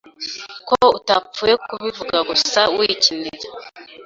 ko utapfuye kubivuga gusa wikinira